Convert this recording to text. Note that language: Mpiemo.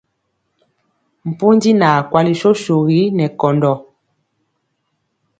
Pondi naa kwali sosogi nɛ kɔndɔ.